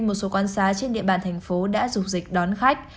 một số quan xá trên địa bàn thành phố đã dục dịch đón khách